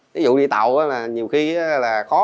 ví dụ đi tàu là nhiều khi là khó